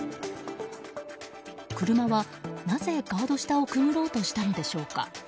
車はなぜガード下をくぐろうとしたのでしょうか。